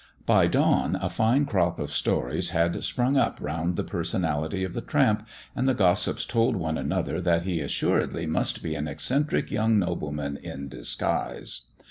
By dawn a fine crop of stories had sprung up round the personality of the tramp, and the gossips told one another that he assuredly must be an eccentric young nobleman in disguise.